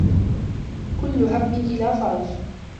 كل هم إلى فرج